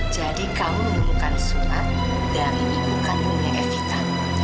jadi kamu menemukan surat dari ibu kandungnya evita